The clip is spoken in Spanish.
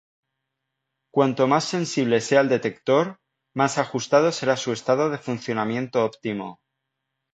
Cuanto más sensible sea el detector, más ajustado será su estado de funcionamiento óptimo.